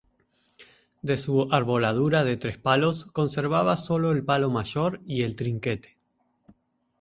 De su arboladura de tres palos conservaba solo el palo mayor y el trinquete.